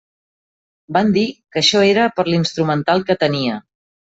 Van dir que això era per l'instrumental que tenia.